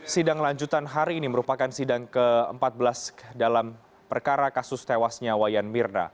sidang lanjutan hari ini merupakan sidang ke empat belas dalam perkara kasus tewasnya wayan mirna